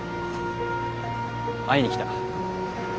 会いに来た。